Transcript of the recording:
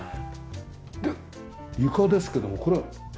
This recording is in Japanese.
で床ですけどもこれは？